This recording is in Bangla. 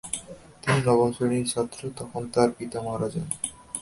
তিনি নবম শ্রেণীর ছাত্র, তখন তার পিতা মারা যান।